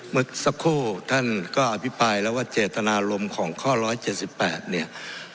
เมื่อสักครู่ท่านก็อภิปรายแล้วว่าเจตนารมณ์ของข้อ๑๗๘เนี่ย